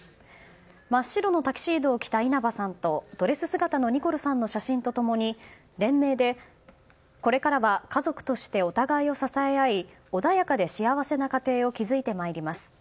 真っ白のタキシードを着た稲葉さんとドレス姿のニコルさんとの写真と共に連名でこれからは家族としてお互いを支え合い穏やかで幸せな家庭を築いてまいります